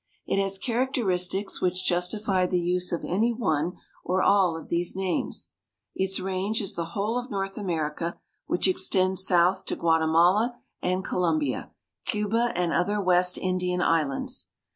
It has characteristics which justify the use of any one or all of these names. Its range is the whole of North America, which extends south to Guatemala and Colombia, Cuba and other West Indian islands.